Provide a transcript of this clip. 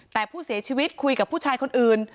แต่ผู้เสียชีวิตคุยกับผู้ชายคนอื่น